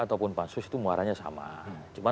ataupun pansus itu muaranya sama cuma